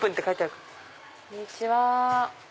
こんにちは。